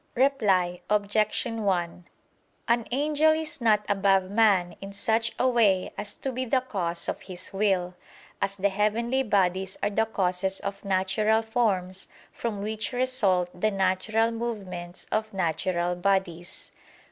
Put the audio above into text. Reply Obj. 1: An angel is not above man in such a way as to be the cause of his will, as the heavenly bodies are the causes of natural forms, from which result the natural movements of natural bodies.